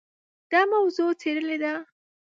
دا موضوع څېړلې ده.